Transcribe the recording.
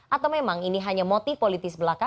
atau memang ini hanya motif politis belaka